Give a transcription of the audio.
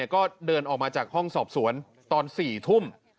ก็เดินออกมาจากห้องสอบสวนตอน๔ทุ่ม